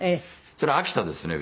それ秋田ですね